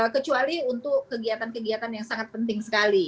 kecuali untuk kegiatan kegiatan yang sangat penting sekali